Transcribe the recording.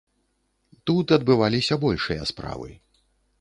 Тут адбываліся большыя справы.